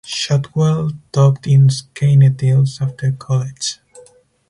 Shotwell taught in Skaneateles after college.